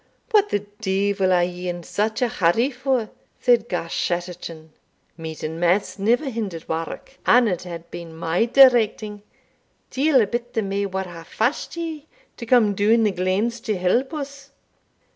"What the deevil are ye in sic a hurry for?" said Garschattachin; "meat and mass never hindered wark. An it had been my directing, deil a bit o' me wad hae fashed ye to come down the glens to help us.